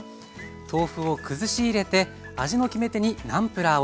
豆腐をくずし入れて味の決め手にナンプラーを。